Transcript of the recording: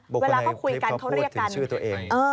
บุคคลในคลิปเขาพูดถึงชื่อตัวเอง